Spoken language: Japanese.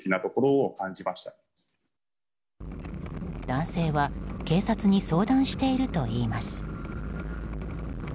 男性は警察に相談しているといいます。